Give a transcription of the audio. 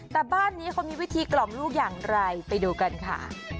แต่บ้านนี้เขามีวิธีกล่อมลูกอย่างไรไปดูกันค่ะ